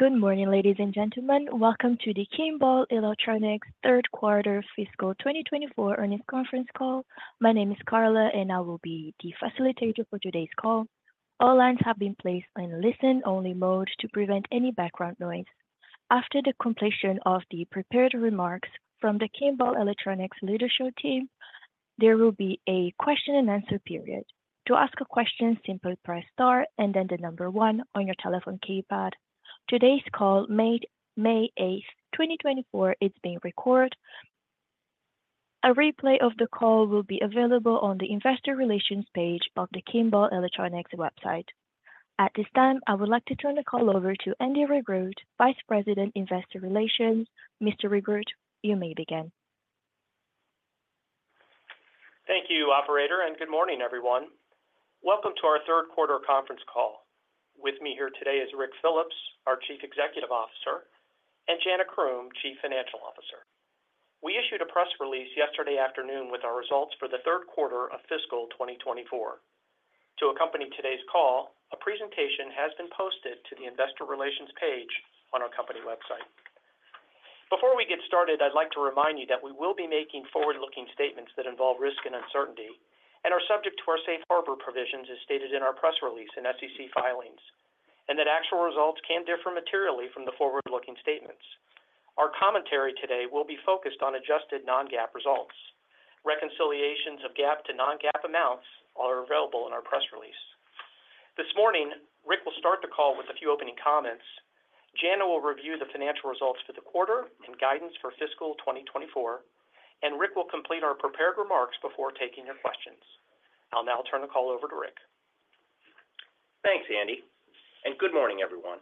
Good morning, ladies and gentlemen. Welcome to the Kimball Electronics Q3 fiscal 2024 earnings conference call. My name is Carla, and I will be the facilitator for today's call. All lines have been placed on listen-only mode to prevent any background noise. After the completion of the prepared remarks from the Kimball Electronics leadership team, there will be a question-and-answer period. To ask a question, simply press * and then the number 1 on your telephone keypad. Today's call is made on May 8, 2024. It's being recorded. A replay of the call will be available on the Investor Relations page of the Kimball Electronics website. At this time, I would like to turn the call over to Andy Regrut, Vice President, Investor Relations. Mr. Regrut, you may begin. Thank you, Operator, and good morning, everyone. Welcome to our Q3 conference call. With me here today is Ric Phillips, our Chief Executive Officer, and Jana Croom, Chief Financial Officer. We issued a press release yesterday afternoon with our results for the Q3 of fiscal 2024. To accompany today's call, a presentation has been posted to the Investor Relations page on our company website. Before we get started, I'd like to remind you that we will be making forward-looking statements that involve risk and uncertainty, and are subject to our safe harbor provisions as stated in our press release and SEC filings, and that actual results can differ materially from the forward-looking statements. Our commentary today will be focused on adjusted non-GAAP results. Reconciliations of GAAP to non-GAAP amounts are available in our press release. This morning, Rick will start the call with a few opening comments. Jana will review the financial results for the quarter and guidance for fiscal 2024, and Rick will complete our prepared remarks before taking your questions. I'll now turn the call over to Rick. Thanks, Andy, and good morning, everyone.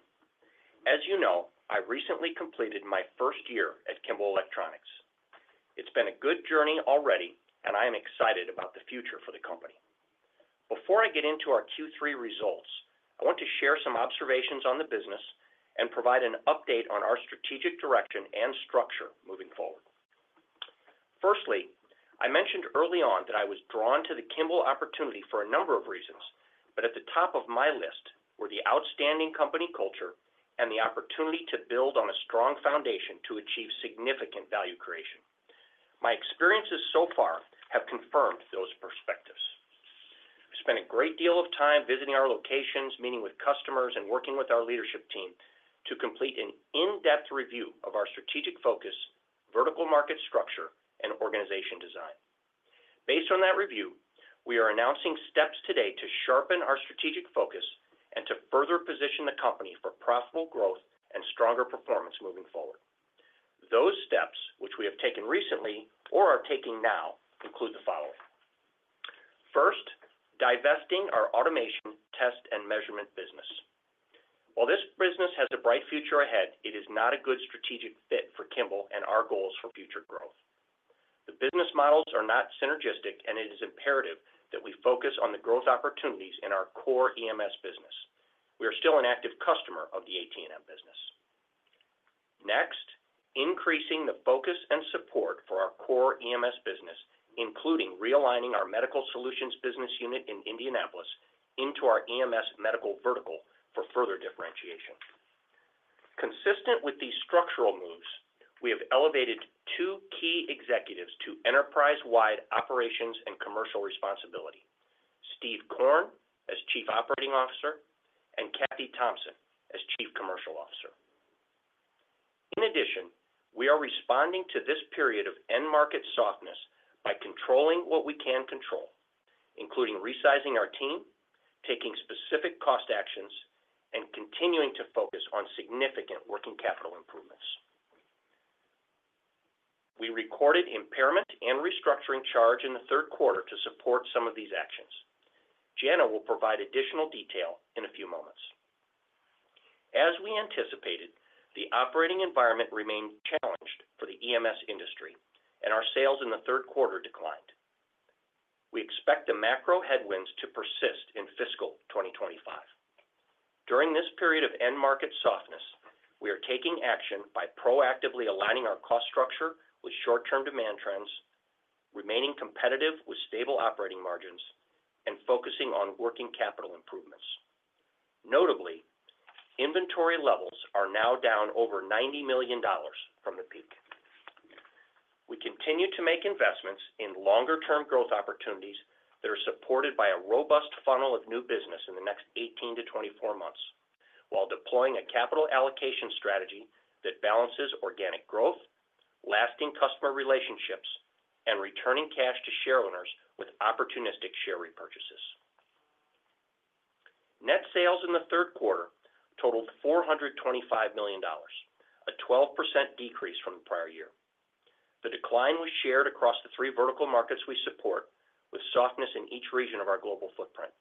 As you know, I recently completed my first year at Kimball Electronics. It's been a good journey already, and I am excited about the future for the company. Before I get into our Q3 results, I want to share some observations on the business and provide an update on our strategic direction and structure moving forward. Firstly, I mentioned early on that I was drawn to the Kimball opportunity for a number of reasons, but at the top of my list were the outstanding company culture and the opportunity to build on a strong foundation to achieve significant value creation. My experiences so far have confirmed those perspectives. I've spent a great deal of time visiting our locations, meeting with customers, and working with our leadership team to complete an in-depth review of our strategic focus, vertical market structure, and organization design. Based on that review, we are announcing steps today to sharpen our strategic focus and to further position the company for profitable growth and stronger performance moving forward. Those steps, which we have taken recently or are taking now, include the following: First, divesting our Automation, Test, and Measurement business. While this business has a bright future ahead, it is not a good strategic fit for Kimball and our goals for future growth. The business models are not synergistic, and it is imperative that we focus on the growth opportunities in our core EMS business. We are still an active customer of the AT&M business. Next, increasing the focus and support for our core EMS business, including realigning our medical solutions business unit in Indianapolis into our EMS medical vertical for further differentiation. Consistent with these structural moves, we have elevated two key executives to enterprise-wide operations and commercial responsibility: Steve Korn as Chief Operating Officer and Kathleen Thompson as Chief Commercial Officer. In addition, we are responding to this period of end-market softness by controlling what we can control, including resizing our team, taking specific cost actions, and continuing to focus on significant working capital improvements. We recorded impairment and restructuring charge in the Q3 to support some of these actions. Jana will provide additional detail in a few moments. As we anticipated, the operating environment remained challenged for the EMS industry, and our sales in the third quarter declined. We expect the macro headwinds to persist in fiscal 2025. During this period of end-market softness, we are taking action by proactively aligning our cost structure with short-term demand trends, remaining competitive with stable operating margins, and focusing on working capital improvements. Notably, inventory levels are now down over $90 million from the peak. We continue to make investments in longer-term growth opportunities that are supported by a robust funnel of new business in the next 18-24 months, while deploying a capital allocation strategy that balances organic growth, lasting customer relationships, and returning cash to shareholders with opportunistic share repurchases. Net sales in the Q3 totaled $425 million, a 12% decrease from the prior year. The decline was shared across the three vertical markets we support, with softness in each region of our global footprint.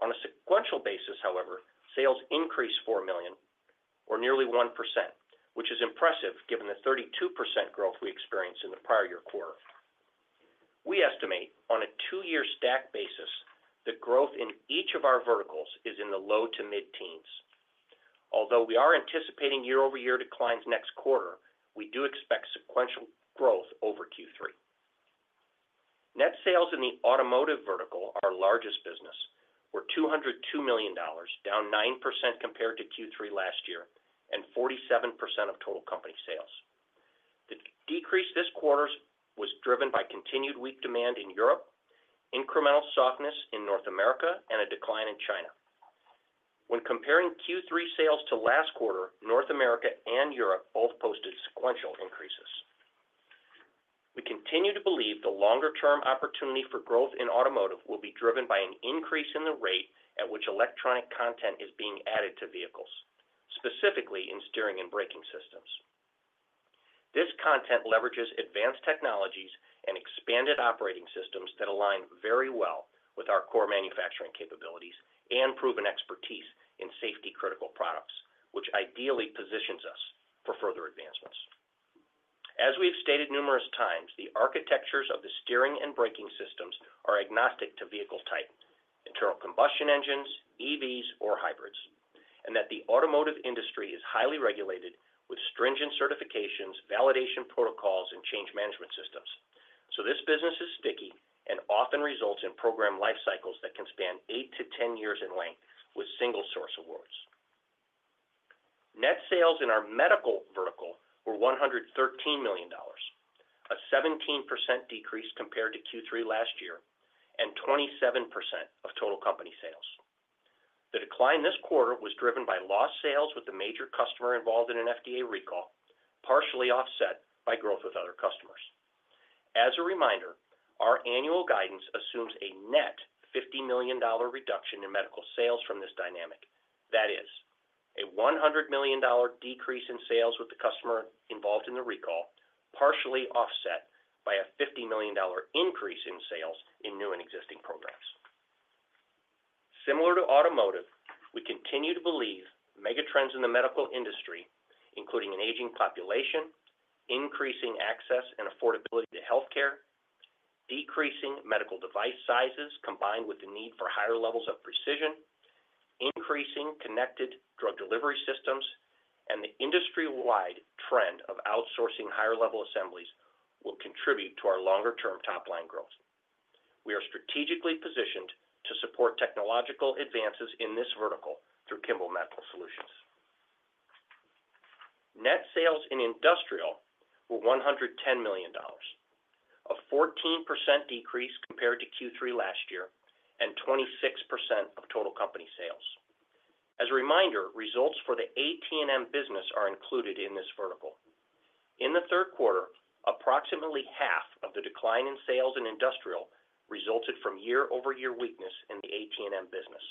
On a sequential basis, however, sales increased $4 million, or nearly 1%, which is impressive given the 32% growth we experienced in the prior year quarter. We estimate, on a two-year stack basis, that growth in each of our verticals is in the low to mid-teens. Although we are anticipating year-over-year declines next quarter, we do expect sequential growth over Q3. Net sales in the automotive vertical are our largest business, worth $202 million, down 9% compared to Q3 last year and 47% of total company sales. The decrease this quarter was driven by continued weak demand in Europe, incremental softness in North America, and a decline in China. When comparing Q3 sales to last quarter, North America and Europe both posted sequential increases. We continue to believe the longer-term opportunity for growth in automotive will be driven by an increase in the rate at which electronic content is being added to vehicles, specifically in steering and braking systems. This content leverages advanced technologies and expanded operating systems that align very well with our core manufacturing capabilities and proven expertise in safety-critical products, which ideally positions us for further advancements. As we have stated numerous times, the architectures of the steering and braking systems are agnostic to vehicle type, internal combustion engines, EVs, or hybrids, and that the automotive industry is highly regulated with stringent certifications, validation protocols, and change management systems, so this business is sticky and often results in program lifecycles that can span 8-10 years in length with single-source awards. Net sales in our medical vertical were $113 million, a 17% decrease compared to Q3 last year and 27% of total company sales. The decline this quarter was driven by lost sales with a major customer involved in an FDA recall, partially offset by growth with other customers. As a reminder, our annual guidance assumes a net $50 million reduction in medical sales from this dynamic, that is, a $100 million decrease in sales with the customer involved in the recall, partially offset by a $50 million increase in sales in new and existing programs. Similar to automotive, we continue to believe mega-trends in the medical industry, including an aging population, increasing access and affordability to healthcare, decreasing medical device sizes combined with the need for higher levels of precision, increasing connected drug delivery systems, and the industry-wide trend of outsourcing higher-level assemblies will contribute to our longer-term top-line growth. We are strategically positioned to support technological advances in this vertical through Kimball Medical Solutions. Net sales in industrial were $110 million, a 14% decrease compared to Q3 last year and 26% of total company sales. As a reminder, results for the AT&M business are included in this vertical. In the Q3, approximately half of the decline in sales in industrial resulted from year-over-year weakness in the AT&M business,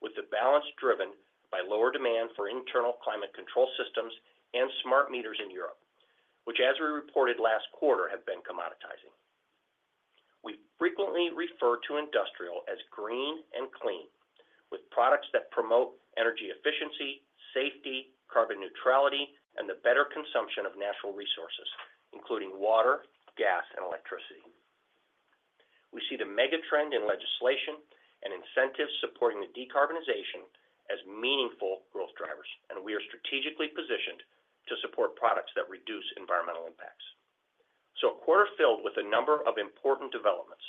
with the balance driven by lower demand for internal climate control systems and smart meters in Europe, which, as we reported last quarter, have been commoditizing. We frequently refer to industrial as green and clean, with products that promote energy efficiency, safety, carbon neutrality, and the better consumption of natural resources, including water, gas, and electricity. We see the mega-trend in legislation and incentives supporting the decarbonization as meaningful growth drivers, and we are strategically positioned to support products that reduce environmental impacts. A quarter filled with a number of important developments.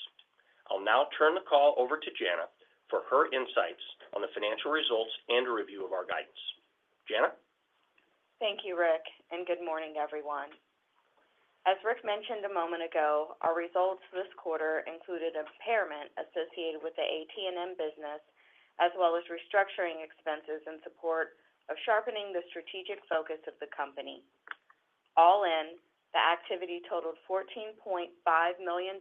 I'll now turn the call over to Jana for her insights on the financial results and a review of our guidance. Jana? Thank you, Rick, and good morning, everyone. As Rick mentioned a moment ago, our results this quarter included impairment associated with the AT&M business as well as restructuring expenses in support of sharpening the strategic focus of the company. All in, the activity totaled $14.5 million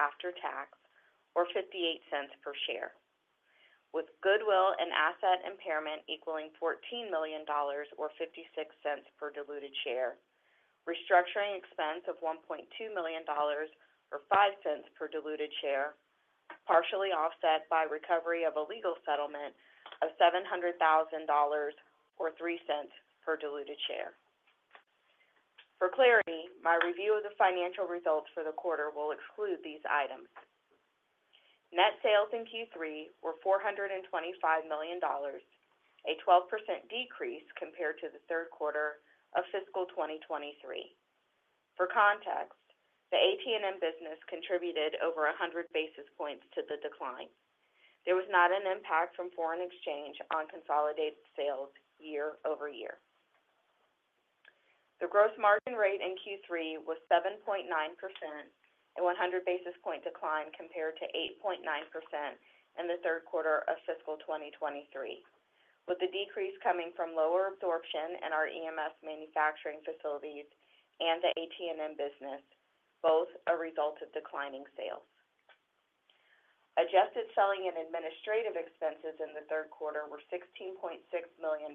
after tax, or $0.58 per share, with goodwill and asset impairment equaling $14 million, or $0.56 per diluted share, restructuring expense of $1.2 million, or $0.05 per diluted share, partially offset by recovery of a legal settlement of $700,000, or $0.03 per diluted share. For clarity, my review of the financial results for the quarter will exclude these items. Net sales in Q3 were $425 million, a 12% decrease compared to the Q3 of fiscal 2023. For context, the AT&M business contributed over 100 basis points to the decline. There was not an impact from foreign exchange on consolidated sales year-over-year. The gross margin rate in Q3 was 7.9%, a 100 basis point decline compared to 8.9% in the Q3 of fiscal 2023, with the decrease coming from lower absorption in our EMS manufacturing facilities and the AT&M business, both a result of declining sales. Adjusted selling and administrative expenses in the Q3 were $16.6 million,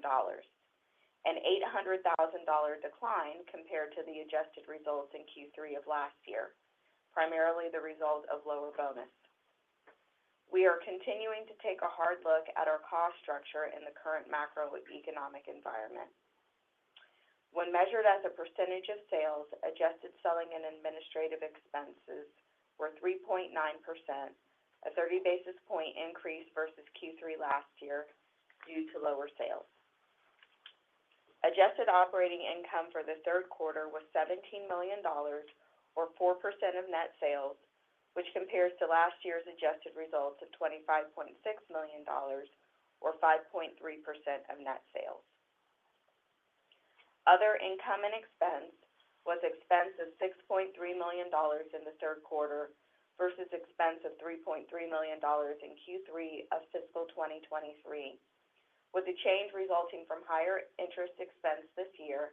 an $800,000 decline compared to the adjusted results in Q3 of last year, primarily the result of lower bonus. We are continuing to take a hard look at our cost structure in the current macroeconomic environment. When measured as a percentage of sales, adjusted selling and administrative expenses were 3.9%, a 30 basis point increase versus Q3 last year due to lower sales. Adjusted operating income for the Q3 was $17 million, or 4% of net sales, which compares to last year's adjusted results of $25.6 million, or 5.3% of net sales. Other income and expense was expense of $6.3 million in the Q3 versus expense of $3.3 million in Q3 of fiscal 2023, with the change resulting from higher interest expense this year,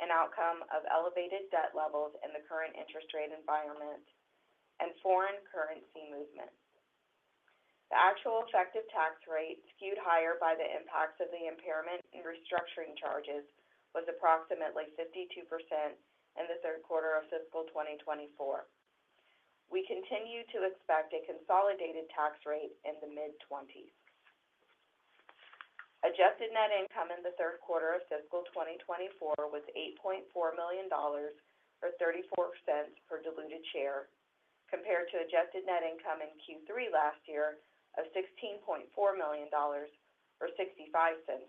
an outcome of elevated debt levels in the current interest rate environment, and foreign currency movement. The actual effective tax rate skewed higher by the impacts of the impairment and restructuring charges was approximately 52% in the Q3 of fiscal 2024. We continue to expect a consolidated tax rate in the mid-20s. Adjusted net income in the Q3 of fiscal 2024 was $8.4 million, or $0.34 per diluted share, compared to adjusted net income in Q3 last year of $16.4 million, or $0.65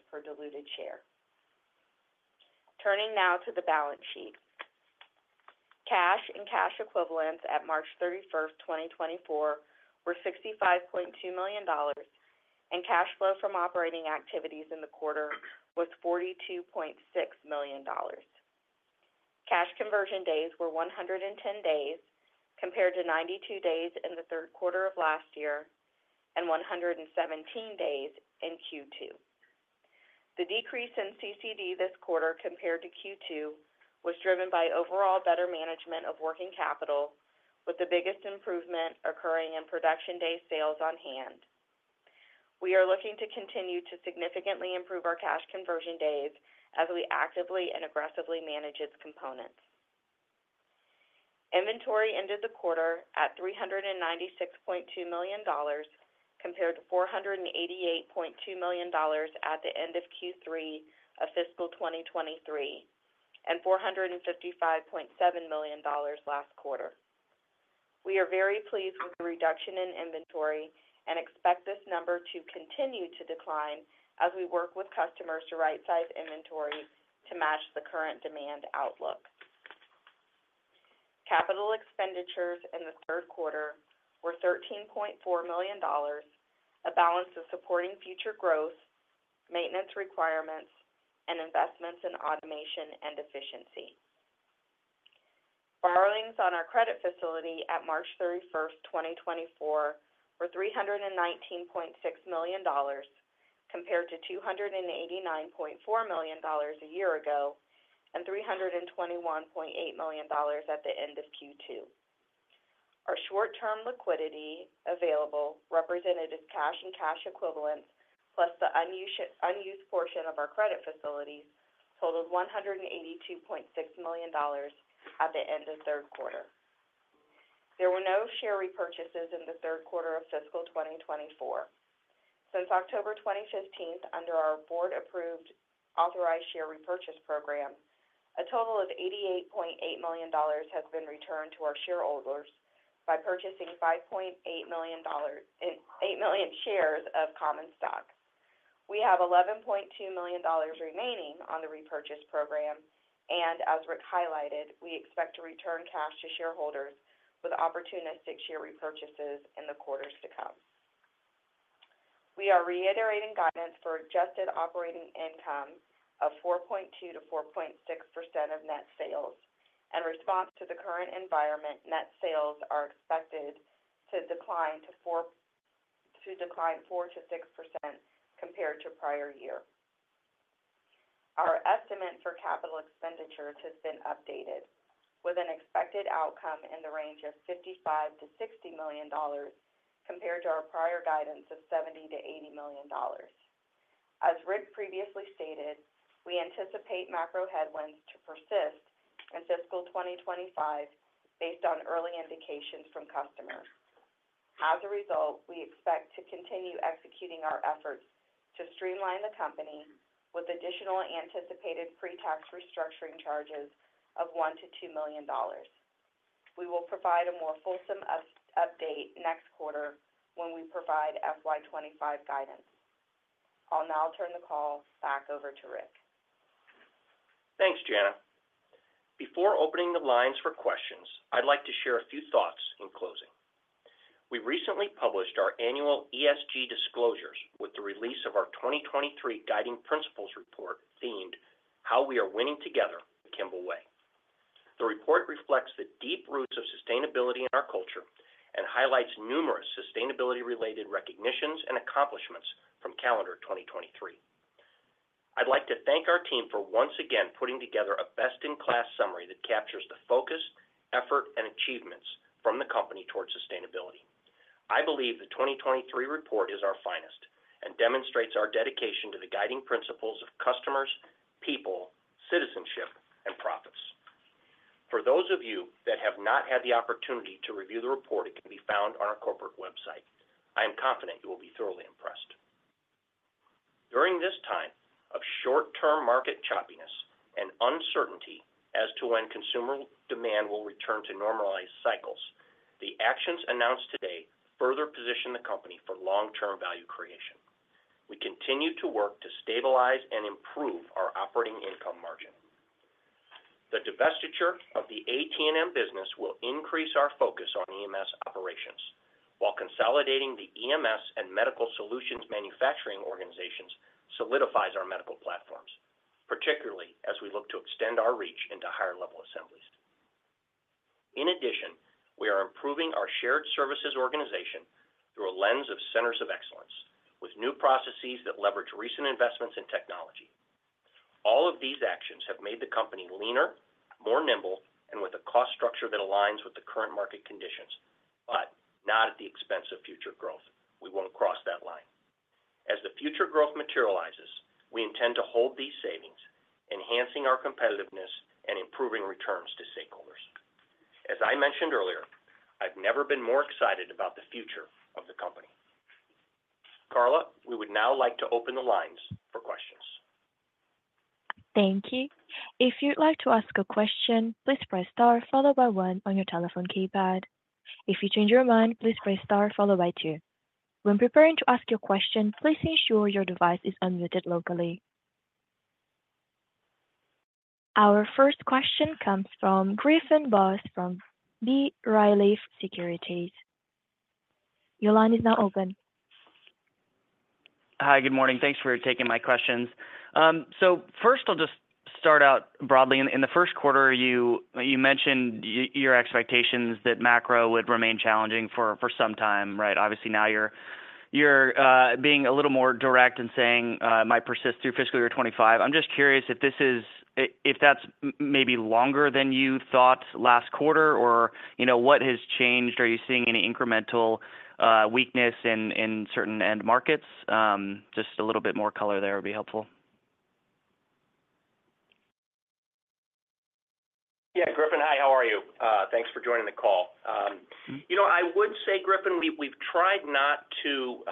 per diluted share. Turning now to the balance sheet. Cash and cash equivalents at March 31, 2024, were $65.2 million, and cash flow from operating activities in the quarter was $42.6 million. Cash conversion days were 110 days compared to 92 days in the Q3 of last year and 117 days in Q2. The decrease in CCD this quarter compared to Q2 was driven by overall better management of working capital, with the biggest improvement occurring in production day sales on hand. We are looking to continue to significantly improve our cash conversion days as we actively and aggressively manage its components. Inventory ended the quarter at $396.2 million compared to $488.2 million at the end of Q3 of fiscal 2023 and $455.7 million last quarter. We are very pleased with the reduction in inventory and expect this number to continue to decline as we work with customers to right-size inventory to match the current demand outlook. Capital expenditures in the Q3 were $13.4 million, a balance of supporting future growth, maintenance requirements, and investments in automation and efficiency. Borrowings on our credit facility at March 31, 2024, were $319.6 million compared to $289.4 million a year ago and $321.8 million at the end of Q2. Our short-term liquidity available, represented as cash and cash equivalents plus the unused portion of our credit facilities, totaled $182.6 million at the end of Q3. There were no share repurchases in the Q3 of fiscal 2024. Since October 2015, under our board-approved authorized share repurchase program, a total of $88.8 million has been returned to our shareholders by purchasing 5.8 million shares of common stock. We have $11.2 million remaining on the repurchase program, and as Rick highlighted, we expect to return cash to shareholders with opportunistic share repurchases in the quarters to come. We are reiterating guidance for adjusted operating income of 4.2%-4.6% of net sales, and in response to the current environment, net sales are expected to decline 4%-6% compared to prior year. Our estimate for capital expenditures has been updated, with an expected outcome in the range of $55-$60 million compared to our prior guidance of $70-$80 million. As Rick previously stated, we anticipate macro headwinds to persist in fiscal 2025 based on early indications from customers. As a result, we expect to continue executing our efforts to streamline the company with additional anticipated pre-tax restructuring charges of $1-$2 million. We will provide a more fulsome update next quarter when we provide FY25 guidance. I'll now turn the call back over to Rick. Thanks, Jana. Before opening the lines for questions, I'd like to share a few thoughts in closing. We recently published our annual ESG disclosures with the release of our 2023 guiding principles report themed "How We Are Winning Together: The Kimball Way." The report reflects the deep roots of sustainability in our culture and highlights numerous sustainability-related recognitions and accomplishments from calendar 2023. I'd like to thank our team for once again putting together a best-in-class summary that captures the focus, effort, and achievements from the company toward sustainability. I believe the 2023 report is our finest and demonstrates our dedication to the guiding principles of customers, people, citizenship, and profits. For those of you that have not had the opportunity to review the report, it can be found on our corporate website. I am confident you will be thoroughly impressed. During this time of short-term market choppiness and uncertainty as to when consumer demand will return to normalized cycles, the actions announced today further position the company for long-term value creation. We continue to work to stabilize and improve our operating income margin. The divestiture of the AT&M business will increase our focus on EMS operations, while consolidating the EMS and medical solutions manufacturing organizations solidifies our medical platforms, particularly as we look to extend our reach into higher-level assemblies. In addition, we are improving our shared services organization through a lens of centers of excellence, with new processes that leverage recent investments in technology. All of these actions have made the company leaner, more nimble, and with a cost structure that aligns with the current market conditions, but not at the expense of future growth. We won't cross that line. As the future growth materializes, we intend to hold these savings, enhancing our competitiveness and improving returns to stakeholders. As I mentioned earlier, I've never been more excited about the future of the company. Carla, we would now like to open the lines for questions. Thank you. If you'd like to ask a question, please press star followed by one on your telephone keypad. If you change your mind, please press star followed by two. When preparing to ask your question, please ensure your device is unmuted locally. Our first question comes from Griffin Boss from B. Riley Securities. Your line is now open. Hi, good morning. Thanks for taking my questions. So first, I'll just start out broadly. In the Q1, you mentioned your expectations that macro would remain challenging for some time, right? Obviously, now you're being a little more direct in saying, "might persist through fiscal year 2025." I'm just curious if that's maybe longer than you thought last quarter, or what has changed? Are you seeing any incremental weakness in certain end markets? Just a little bit more color there would be helpful. Yeah, Griffin, hi. How are you? Thanks for joining the call. I would say, Griffin, we've tried not to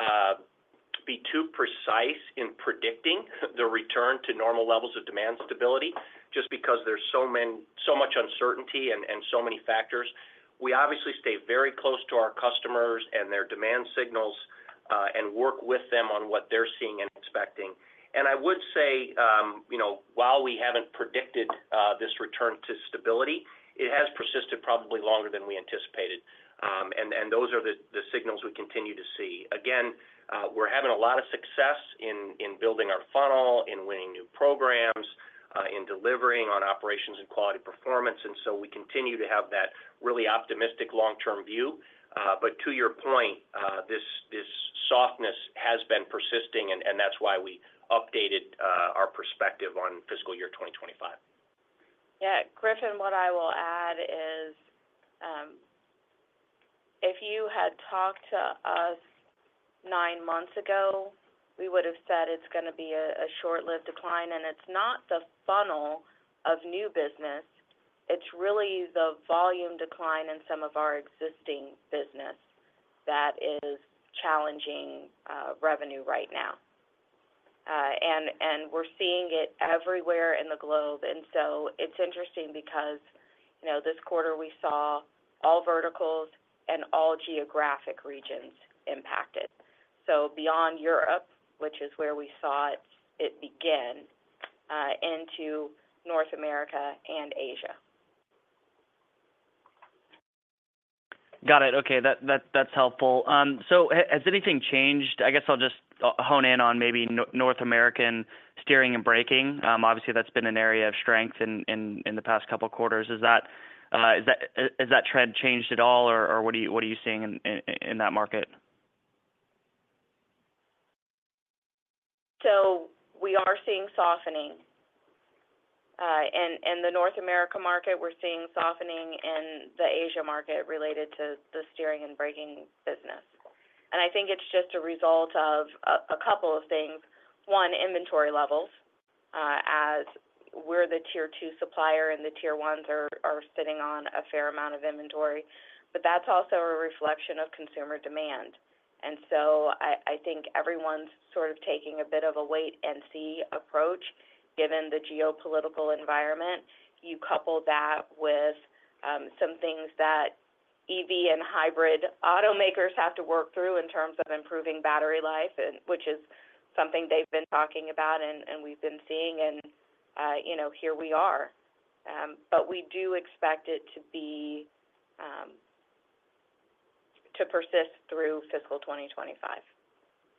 be too precise in predicting the return to normal levels of demand stability just because there's so much uncertainty and so many factors. We obviously stay very close to our customers and their demand signals and work with them on what they're seeing and expecting. And I would say, while we haven't predicted this return to stability, it has persisted probably longer than we anticipated, and those are the signals we continue to see. Again, we're having a lot of success in building our funnel, in winning new programs, in delivering on operations and quality performance, and so we continue to have that really optimistic long-term view. But to your point, this softness has been persisting, and that's why we updated our perspective on fiscal year 2025. Yeah, Griffin, what I will add is, if you had talked to us nine months ago, we would have said it's going to be a short-lived decline, and it's not the funnel of new business. It's really the volume decline in some of our existing business that is challenging revenue right now. And we're seeing it everywhere in the globe, and so it's interesting because this quarter, we saw all verticals and all geographic regions impacted. So beyond Europe, which is where we saw it begin, into North America and Asia. Got it. Okay, that's helpful. So has anything changed? I guess I'll just hone in on maybe North American steering and braking. Obviously, that's been an area of strength in the past couple of quarters. Has that trend changed at all, or what are you seeing in that market? We are seeing softening. In the North America market, we're seeing softening in the Asia market related to the steering and braking business. I think it's just a result of a couple of things. One, inventory levels, as we're the Tier 2 supplier and the Tier 1s are sitting on a fair amount of inventory. That's also a reflection of consumer demand. So I think everyone's sort of taking a bit of a wait-and-see approach given the geopolitical environment. You couple that with some things that EV and hybrid automakers have to work through in terms of improving battery life, which is something they've been talking about and we've been seeing, and here we are. We do expect it to persist through fiscal 2025,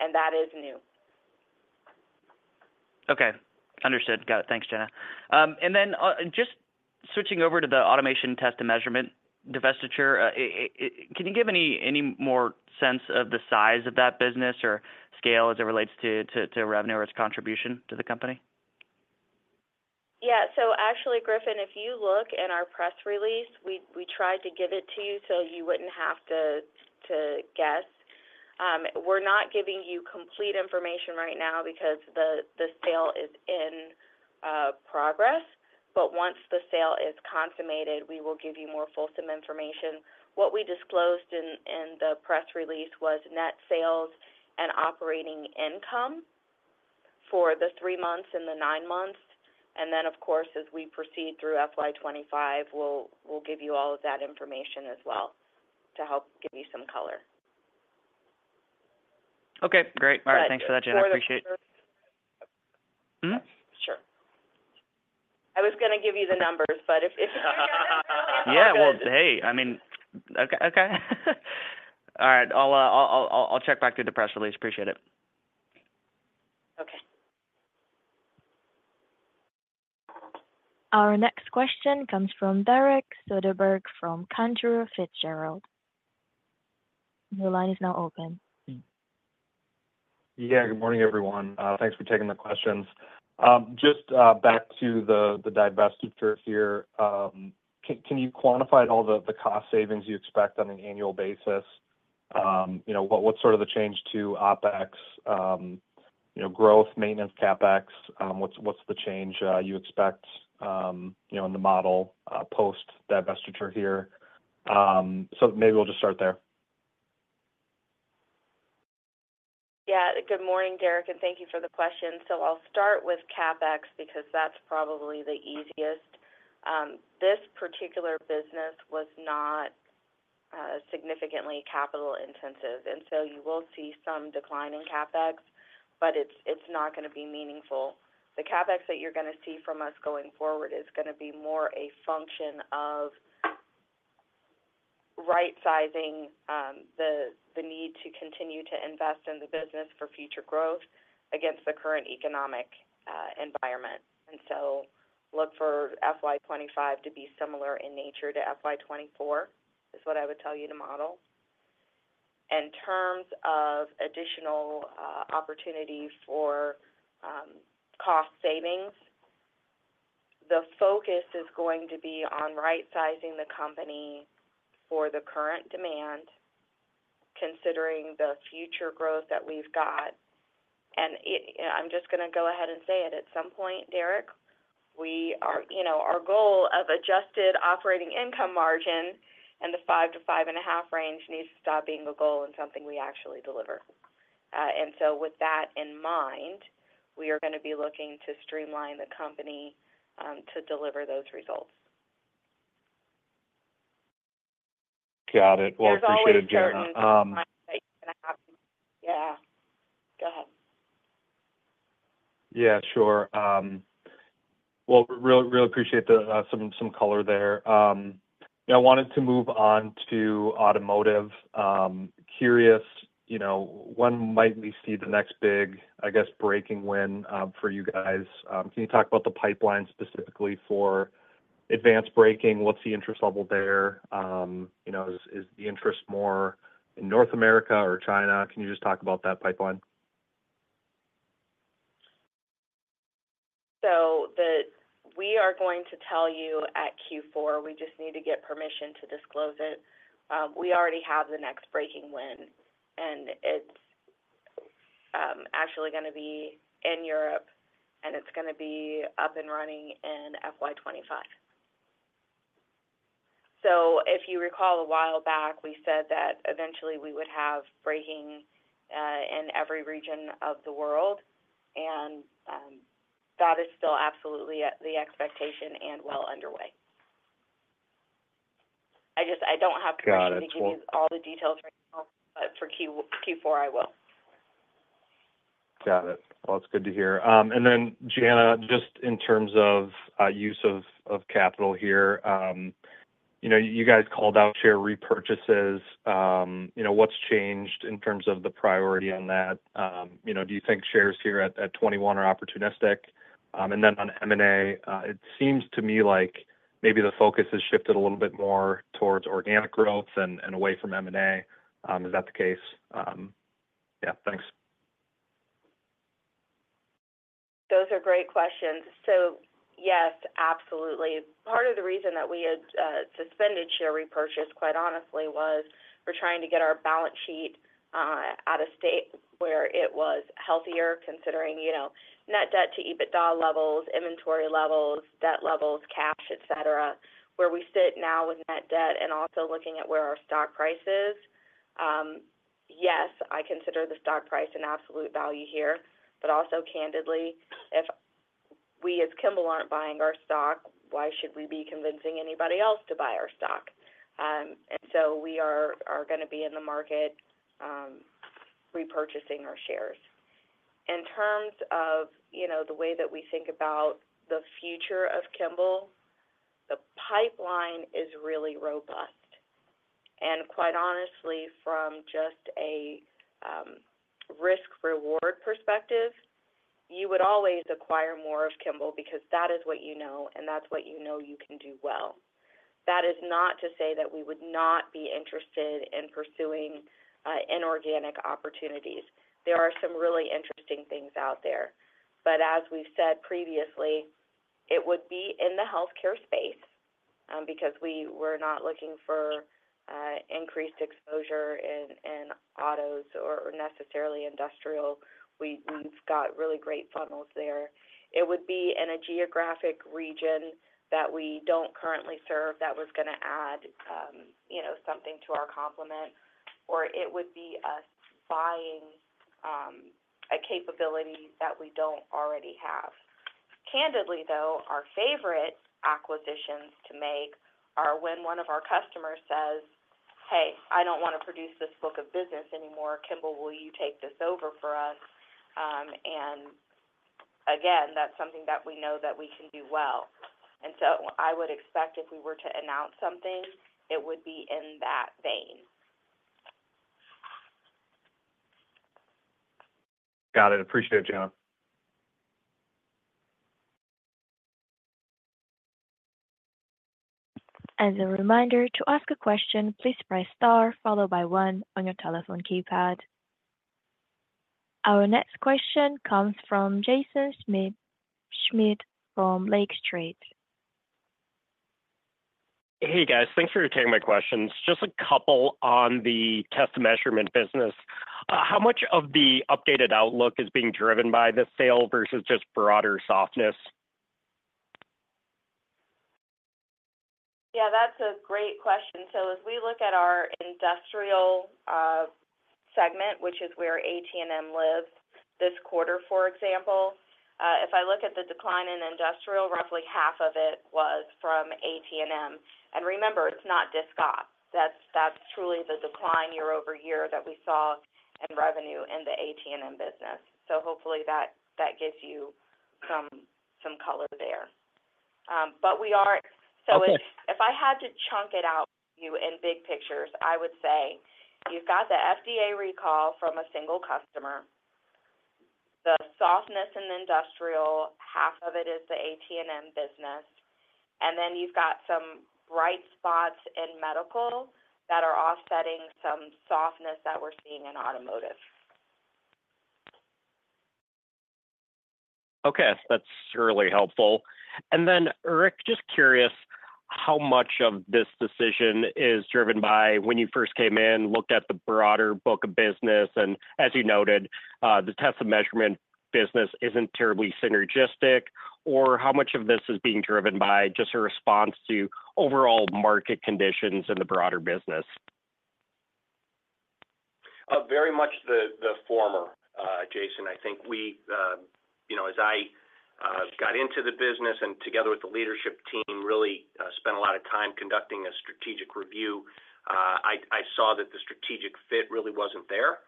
and that is new. Okay, understood. Got it. Thanks, Jana. And then just switching over to the automation test and measurement divestiture, can you give any more sense of the size of that business or scale as it relates to revenue or its contribution to the company? Yeah. So actually, Griffin, if you look in our press release, we tried to give it to you so you wouldn't have to guess. We're not giving you complete information right now because the sale is in progress, but once the sale is consummated, we will give you more fulsome information. What we disclosed in the press release was net sales and operating income for the three months and the nine months. And then, of course, as we proceed through FY25, we'll give you all of that information as well to help give you some color. Okay, great. All right, thanks for that, Jana. I appreciate it. Sure. I was going to give you the numbers, but if. Yeah, well, hey, I mean. Okay. All right, I'll check back through the press release. Appreciate it. Okay. Our next question comes from Derek Soderberg from Cantor Fitzgerald. Your line is now open. Yeah, good morning, everyone. Thanks for taking the questions. Just back to the divestiture here. Can you quantify all the cost savings you expect on an annual basis? What's sort of the change to OpEx growth, maintenance CapEx? What's the change you expect in the model post-divestiture here? So maybe we'll just start there. Yeah, good morning, Derek, and thank you for the question. So I'll start with CapEx because that's probably the easiest. This particular business was not significantly capital-intensive, and so you will see some decline in CapEx, but it's not going to be meaningful. The CapEx that you're going to see from us going forward is going to be more a function of right-sizing the need to continue to invest in the business for future growth against the current economic environment. And so look for FY2025 to be similar in nature to FY2024 is what I would tell you to model. In terms of additional opportunity for cost savings, the focus is going to be on right-sizing the company for the current demand, considering the future growth that we've got. I'm just going to go ahead and say it at some point, Derek, our goal of adjusted operating income margin and the 5%-5.5% range needs to stop being a goal and something we actually deliver. And so with that in mind, we are going to be looking to streamline the company to deliver those results. Got it. Well, appreciate it, Jana. I was wondering if that's something that you're going to have to. Yeah, go ahead. Yeah, sure. Well, really appreciate some color there. I wanted to move on to automotive. Curious, when might we see the next big, I guess, braking win for you guys? Can you talk about the pipeline specifically for advanced braking? What's the interest level there? Is the interest more in North America or China? Can you just talk about that pipeline? So we are going to tell you at Q4, we just need to get permission to disclose it, we already have the next braking win, and it's actually going to be in Europe, and it's going to be up and running in FY25. So if you recall, a while back, we said that eventually we would have braking in every region of the world, and that is still absolutely the expectation and well underway. I don't have permission to give you all the details right now, but for Q4, I will. Got it. Well, that's good to hear. And then, Jana, just in terms of use of capital here, you guys called out share repurchases. What's changed in terms of the priority on that? Do you think shares here at $21 are opportunistic? And then on M&A, it seems to me like maybe the focus has shifted a little bit more towards organic growth and away from M&A. Is that the case? Yeah, thanks. Those are great questions. So yes, absolutely. Part of the reason that we had suspended share repurchase, quite honestly, was we're trying to get our balance sheet out of state where it was healthier, considering net debt to EBITDA levels, inventory levels, debt levels, cash, etc., where we sit now with net debt and also looking at where our stock price is. Yes, I consider the stock price an absolute value here, but also candidly, if we as Kimball aren't buying our stock, why should we be convincing anybody else to buy our stock? And so we are going to be in the market repurchasing our shares. In terms of the way that we think about the future of Kimball, the pipeline is really robust. And quite honestly, from just a risk-reward perspective, you would always acquire more of Kimball because that is what you know, and that's what you know you can do well. That is not to say that we would not be interested in pursuing inorganic opportunities. There are some really interesting things out there. But as we've said previously, it would be in the healthcare space because we were not looking for increased exposure in autos or necessarily industrial. We've got really great funnels there. It would be in a geographic region that we don't currently serve that was going to add something to our complement, or it would be us buying a capability that we don't already have. Candidly, though, our favorite acquisitions to make are when one of our customers says, "Hey, I don't want to produce this book of business anymore. Kimball, will you take this over for us?" And again, that's something that we know that we can do well. And so I would expect if we were to announce something, it would be in that vein. Got it. Appreciate it, Jana. As a reminder, to ask a question, please press star followed by 1 on your telephone keypad. Our next question comes from Jaeson Schmidt from Lake Street. Hey, guys. Thanks for taking my questions. Just a couple on the test and measurement business. How much of the updated outlook is being driven by the sale versus just broader softness? Yeah, that's a great question. So as we look at our industrial segment, which is where AT&M lives this quarter, for example, if I look at the decline in industrial, roughly half of it was from AT&M. And remember, it's not discos. That's truly the decline year-over-year that we saw in revenue in the AT&M business. So hopefully, that gives you some color there. But we are so if I had to chunk it out for you in big pictures, I would say you've got the FDA recall from a single customer, the softness in the industrial, half of it is the AT&M business, and then you've got some bright spots in medical that are offsetting some softness that we're seeing in automotive. Okay, that's really helpful. Then, Eric, just curious, how much of this decision is driven by when you first came in, looked at the broader book of business, and as you noted, the test and measurement business isn't terribly synergistic, or how much of this is being driven by just a response to overall market conditions in the broader business? Very much the former, Jaeson. I think as I got into the business and together with the leadership team really spent a lot of time conducting a strategic review, I saw that the strategic fit really wasn't there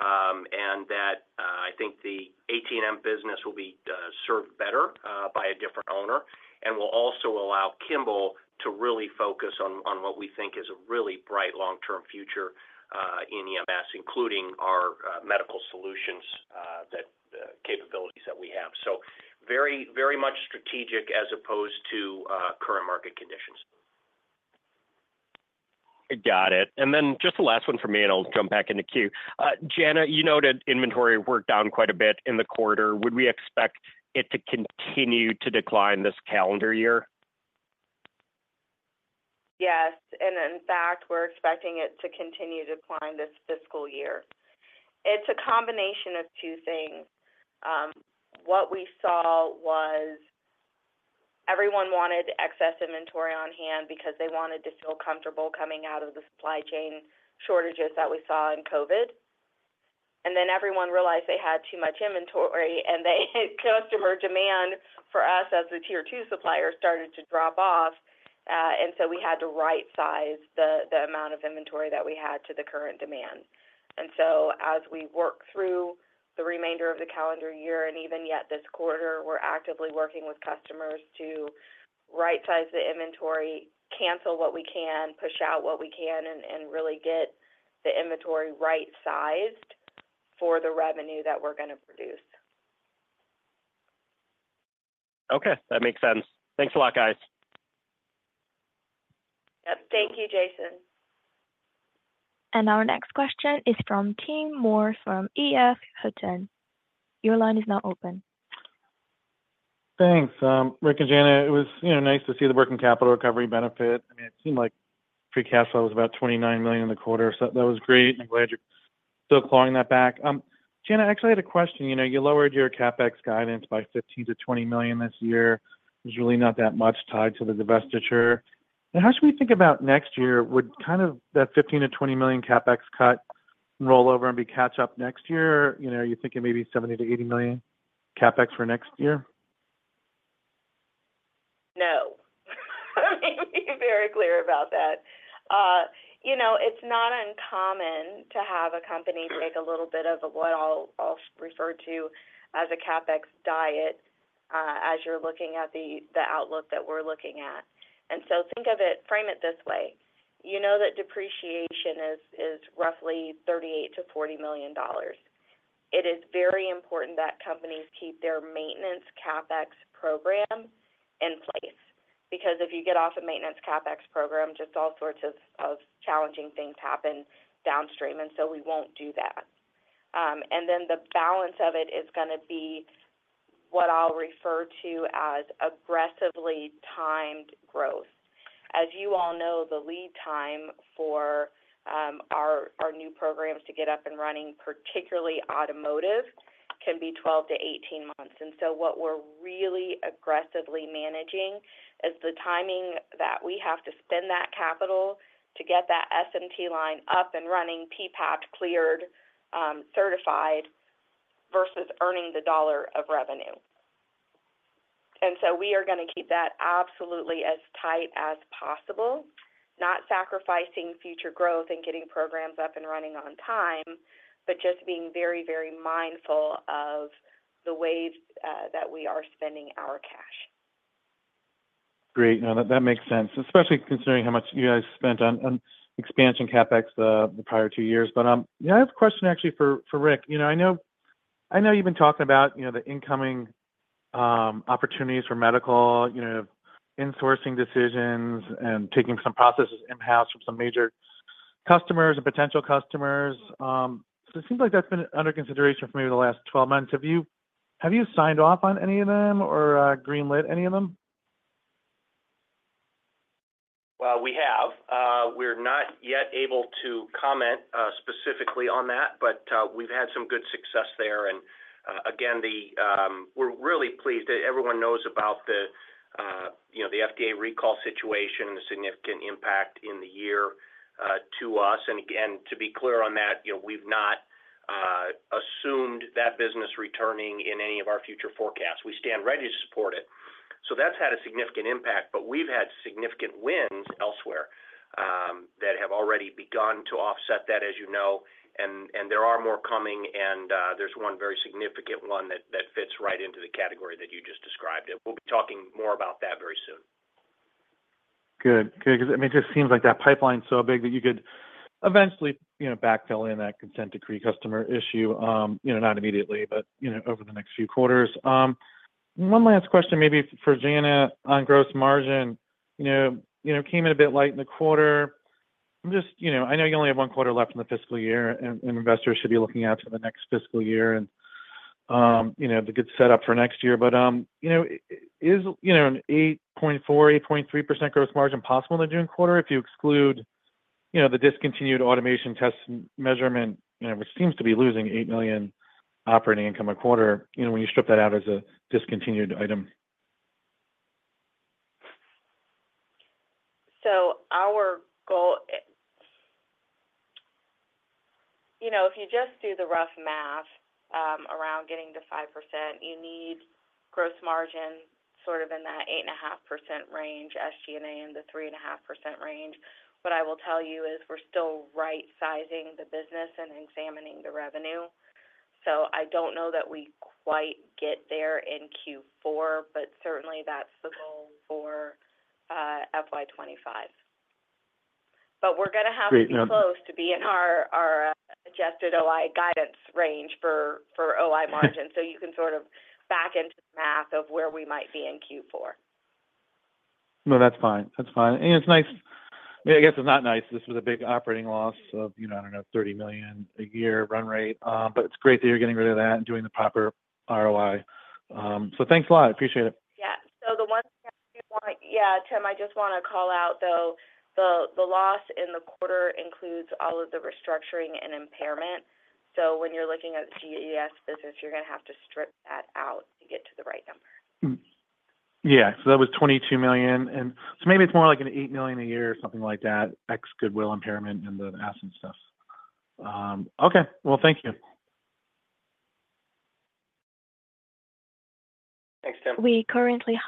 and that I think the AT&M business will be served better by a different owner and will also allow Kimball to really focus on what we think is a really bright long-term future in EMS, including our medical solutions capabilities that we have. So very much strategic as opposed to current market conditions. Got it. And then just the last one for me, and I'll jump back into queue. Jana, you noted inventory worked down quite a bit in the quarter. Would we expect it to continue to decline this calendar year? Yes. And in fact, we're expecting it to continue to decline this fiscal year. It's a combination of two things. What we saw was everyone wanted excess inventory on hand because they wanted to feel comfortable coming out of the supply chain shortages that we saw in COVID. And then everyone realized they had too much inventory, and customer demand for us as the Tier 2 supplier started to drop off. And so we had to right-size the amount of inventory that we had to the current demand. And so as we work through the remainder of the calendar year and even yet this quarter, we're actively working with customers to right-size the inventory, cancel what we can, push out what we can, and really get the inventory right-sized for the revenue that we're going to produce. Okay, that makes sense. Thanks a lot, guys. Yep. Thank you, Jaeson. Our next question is from Tim Moore from EF Hutton. Your line is now open. Thanks, Rick and Jana. It was nice to see the working capital recovery benefit. I mean, it seemed like free cash flow was about $29 million in the quarter. So that was great. I'm glad you're still clawing that back. Jana, I actually had a question. You lowered your CapEx guidance by $15 million-$20 million this year. There's really not that much tied to the divestiture. And how should we think about next year? Would kind of that $15 million-$20 million CapEx cut roll over and be catch-up next year? Are you thinking maybe $70 million-$80 million CapEx for next year? No. Let me be very clear about that. It's not uncommon to have a company take a little bit of what I'll refer to as a CapEx diet as you're looking at the outlook that we're looking at. And so think of it, frame it this way. You know that depreciation is roughly $38 million-$40 million. It is very important that companies keep their maintenance CapEx program in place because if you get off a maintenance CapEx program, just all sorts of challenging things happen downstream, and so we won't do that. And then the balance of it is going to be what I'll refer to as aggressively timed growth. As you all know, the lead time for our new programs to get up and running, particularly automotive, can be 12-18 months. And so what we're really aggressively managing is the timing that we have to spend that capital to get that SMT line up and running, PPAP cleared, certified, versus earning the dollar of revenue. And so we are going to keep that absolutely as tight as possible, not sacrificing future growth and getting programs up and running on time, but just being very, very mindful of the ways that we are spending our cash. Great. No, that makes sense, especially considering how much you guys spent on expansion CapEx the prior two years. But yeah, I have a question, actually, for Rick. I know you've been talking about the incoming opportunities for medical, insourcing decisions, and taking some processes in-house from some major customers and potential customers. So it seems like that's been under consideration for maybe the last 12 months. Have you signed off on any of them or greenlit any of them? Well, we have. We're not yet able to comment specifically on that, but we've had some good success there. And again, we're really pleased that everyone knows about the FDA recall situation and the significant impact in the year to us. And again, to be clear on that, we've not assumed that business returning in any of our future forecasts. We stand ready to support it. So that's had a significant impact, but we've had significant wins elsewhere that have already begun to offset that, as you know. And there are more coming, and there's one very significant one that fits right into the category that you just described. And we'll be talking more about that very soon. Good. Good. Because I mean, it just seems like that pipeline's so big that you could eventually backfill in that consent decree customer issue, not immediately, but over the next few quarters. One last question maybe for Jana on gross margin. You came in a bit late in the quarter. I'm just I know you only have one quarter left in the fiscal year, and investors should be looking out for the next fiscal year and the good setup for next year. But is an 8.4%-8.3% gross margin possible in the June quarter if you exclude the discontinued automation test and measurement, which seems to be losing $8 million operating income a quarter when you strip that out as a discontinued item? So our goal if you just do the rough math around getting to 5%, you need gross margin sort of in that 8.5% range, SG&A in the 3.5% range. What I will tell you is we're still right-sizing the business and examining the revenue. So I don't know that we quite get there in Q4, but certainly, that's the goal for FY25. But we're going to have to be close to be in our adjusted OI guidance range for OI margin so you can sort of back into the math of where we might be in Q4. No, that's fine. That's fine. And it's nice I mean, I guess it's not nice. This was a big operating loss of, I don't know, $30 million a year run rate. But it's great that you're getting rid of that and doing the proper ROI. So thanks a lot. Appreciate it. Yeah. So the one thing I do want, Tim, I just want to call out, though, the loss in the quarter includes all of the restructuring and impairment. So when you're looking at the GES business, you're going to have to strip that out to get to the right number. Yeah. So that was $22 million. And so maybe it's more like an $8 million a year or something like that, ex-goodwill impairment and the asset stuff. Okay. Well, thank you. Thanks, Tim. We currently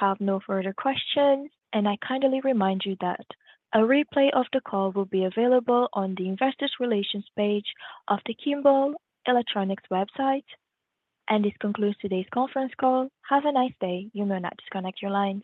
have no further questions. I kindly remind you that a replay of the call will be available on the investors' relations page of the Kimball Electronics website. This concludes today's conference call. Have a nice day. You may now disconnect your line.